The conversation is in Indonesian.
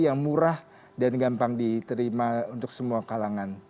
yang murah dan gampang diterima untuk semua kalangan